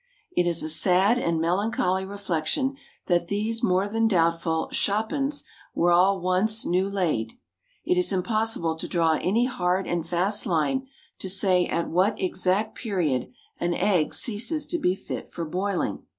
It is a sad and melancholy reflection that these more than doubtful "shop 'uns" were all once new laid. It is impossible to draw any hard and fast line to say at what exact period an egg ceases to be fit for boiling.